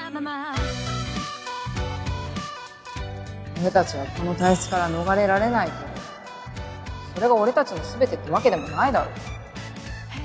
俺たちはこの体質から逃れられないけどそれが俺たちの全てってわけでもないだろ